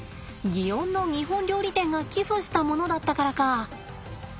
園の日本料理店が寄付したものだったからか。